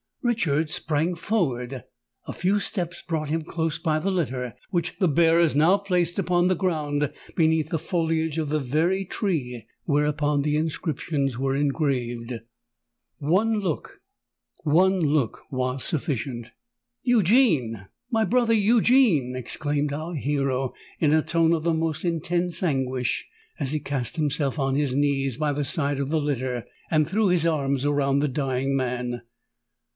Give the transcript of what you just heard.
Richard sprang forward: a few steps brought him close by the litter, which the bearers now placed upon the ground beneath the foliage of the very tree whereon the inscriptions were engraved! One look—one look was sufficient! "Eugene—my brother Eugene!" exclaimed our hero, in a tone of the most intense anguish, as he cast himself on his knees by the side of the litter, and threw his arms around the dying man.